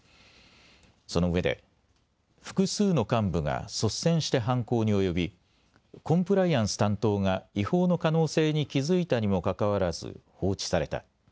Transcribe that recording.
そのうえで複数の幹部が率先して犯行に及びコンプライアンス担当が違法の可能性に気付いたにもかかわらず放置された。